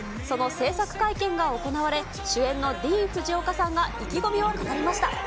その制作会見が行われ、主演のディーン・フジオカさんが意気込みを語りました。